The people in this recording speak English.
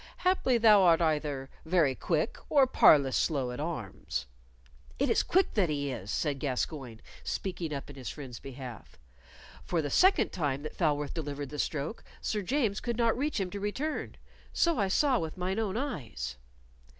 Haply thou art either very quick or parlous slow at arms." "It is quick that he is," said Gascoyne, speaking up in his friend's behalf. "For the second time that Falworth delivered the stroke, Sir James could not reach him to return; so I saw with mine own eyes."